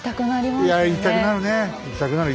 いや行きたくなるね。